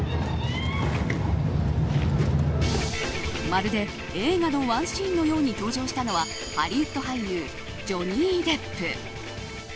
まるで、映画のワンシーンのように登場したのはハリウッド俳優ジョニー・デップ。